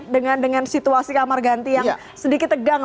dengan situasi kamar ganti yang sedikit tegang